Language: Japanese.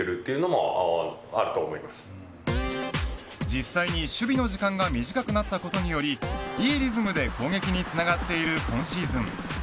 実際に守備の時間が短くなったことによりいいリズムで攻撃につながっている今シーズン。